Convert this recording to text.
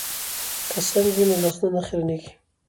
که سنک وي نو لاسونه نه خیرنیږي.